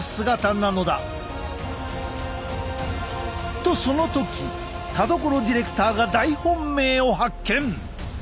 とその時田所ディレクターが大本命を発見！